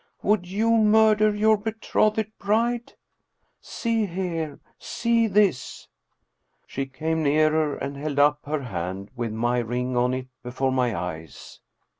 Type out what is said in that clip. Would you murder your betrothed bride? See here! See this!" She came nearer and held up her hand with my ring on it before my eyes.